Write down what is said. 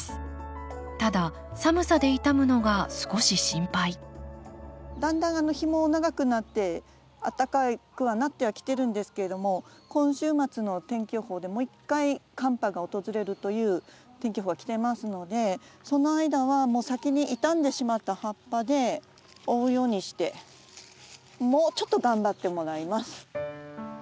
ただ寒さで傷むのが少し心配だんだん日も長くなってあったかくはなってはきてるんですけれども今週末の天気予報でもう一回寒波がおとずれるという天気予報はきてますのでその間は先に傷んでしまった葉っぱで覆うようにしてもうちょっと頑張ってもらいます。